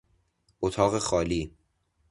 اتاق خالی